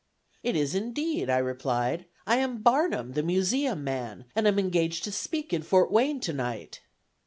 "It is indeed," I replied; "I am Barnum, the museum man, and am engaged to speak in Fort Wayne to night."